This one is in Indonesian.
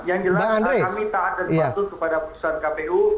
yang jelas kami taat dan patuh kepada putusan kpu